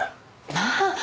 まあ！